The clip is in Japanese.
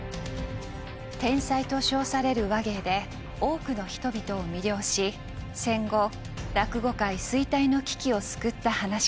「天才」と称される話芸で多くの人々を魅了し戦後落語界衰退の危機を救った噺家です。